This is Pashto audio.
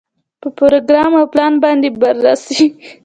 په پروګرام او پلان باندې بررسي.